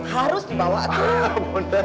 harus dibawa tuh